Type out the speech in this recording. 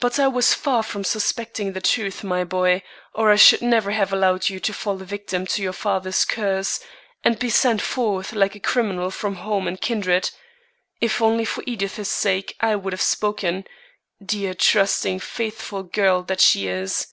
But I was far from suspecting the truth, my boy, or I should never have allowed you to fall a victim to your father's curse, and be sent forth like a criminal from home and kindred. If only for Edith's sake I would have spoken dear, trusting, faithful girl that she is!"